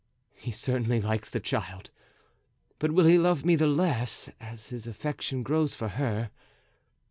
He certainly likes the child, but will he love me less as his affection grows for her?"